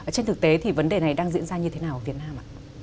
trên thực tế thì vấn đề này đang diễn ra như thế nào ở việt nam ạ